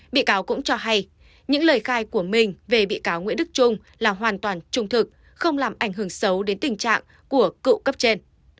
bị cáo cũng cho hay những lời khai của mình về bị cáo nguyễn đức trung là hoàn toàn trung thực không làm ảnh hưởng xấu đến tình trạng của cựu cấp trên